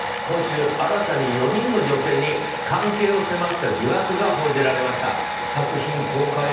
今週、新たに４人の女性に関係を迫った疑惑が報じられました。